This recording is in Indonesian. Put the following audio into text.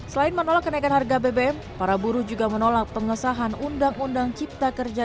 selain menolak kenaikan harga bbm para buruh juga menolak pengesahan undang undang cipta kerja